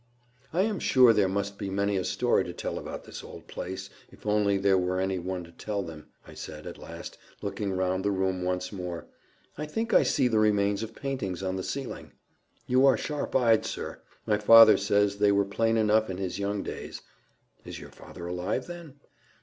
"I am sure there must be many a story to tell about this old place, if only there were any one to tell them," I said at last, looking round the room once more.—"I think I see the remains of paintings on the ceiling." "You are sharp eyed, sir. My father says they were plain enough in his young days." "Is your father alive, then?"